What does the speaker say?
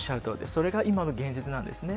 それが今の現実なんですね。